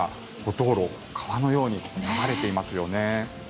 道路川のように流れていますよね。